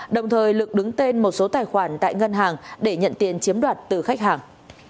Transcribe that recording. đồng thời lực đứng tên một số tài khoản tại ngân hàng để nhận tiền chiếm đoạt từ khách hàng